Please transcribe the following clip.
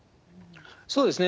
そうですね。